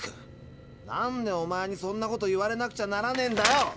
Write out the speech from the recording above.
なんでおまえにそんなこと言われなくちゃならねえんだよ。